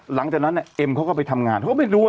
หลังจากนั้นเนี่ยเอ็มเขาก็ไปทำงานเขาก็ไม่รู้ว่า